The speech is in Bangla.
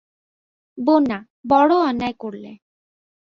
বন্যা, বড়ো অন্যায় করলে।